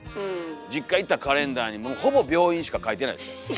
実家行ったらカレンダーにほぼ病院しか書いてない。